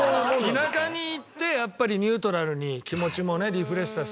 田舎に行ってやっぱりニュートラルに気持ちもリフレッシュさせて。